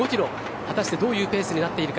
果たしてどういうペースになっているか。